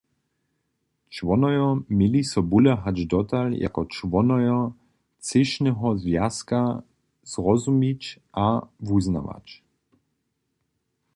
Čłonojo měli so bóle hač dotal jako čłonojo třěšneho zwjazka zrozumić a wuznawać.